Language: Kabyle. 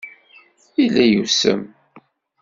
Yella yusem.